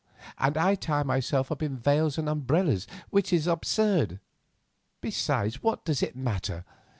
And I tie myself up in veils and umbrellas, which is absurd. Besides, what does it matter?